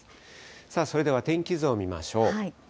さあ、それでは天気図を見ましょう。